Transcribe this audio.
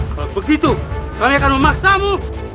kalau begitu kami akan memaksamu